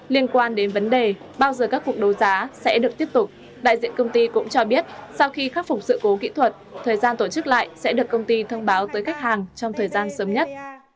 liên quan đến vấn đề bao giờ các cuộc đấu giá sẽ được tiếp tục đại diện công ty cũng cho biết sau khi khắc phục sự cố kỹ thuật thời gian tổ chức lại sẽ được công ty thông báo tới khách hàng trong thời gian sớm nhất